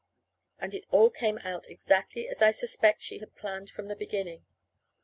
And it all came out exactly as I suspect she had planned from the beginning.